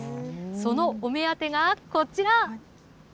そのお目当てがこちら。